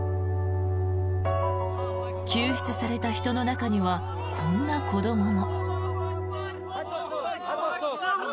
救出された人の中にはこんな子どもも。